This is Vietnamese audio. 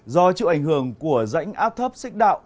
do chịu ảnh hưởng của rãnh áp thấp xích đạo